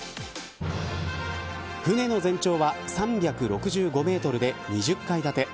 船の全長は３６５メートルで２０階建て。